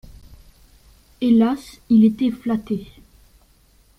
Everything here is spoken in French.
Hélas! il était flatté.